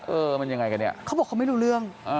เออมันยังไงกันเนี่ยเขาบอกเขาไม่รู้เรื่อง